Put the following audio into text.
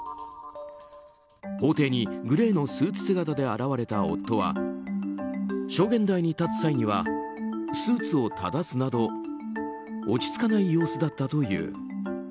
法廷にグレーのスーツ姿で現れた夫は証言台に立つ際にはスーツを正すなど落ち着かない様子だったという。